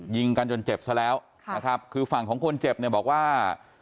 ยิงกันจนเจ็บซะแล้วนะครับคือฝั่งของคนเจ็บเนี่ยบอกว่า